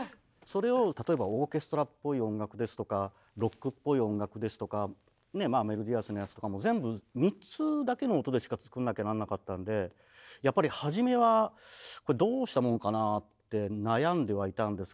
それを例えばオーケストラっぽい音楽ですとかロックっぽい音楽ですとかメロディアスなやつとかも全部３つだけの音でしか作んなきゃなんなかったんでやっぱり初めは「これどうしたもんかな」って悩んではいたんですけど。